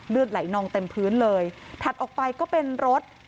เลือดไหลนองเต็มพื้นเลยถัดออกไปก็เป็นรถ